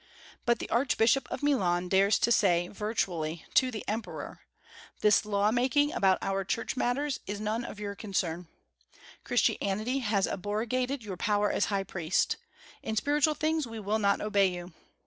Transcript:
But the Archbishop of Milan dares to say, virtually, to the emperor, "This law making about our church matters is none of your concern. Christianity has abrogated your power as High Priest. In spiritual things we will not obey you.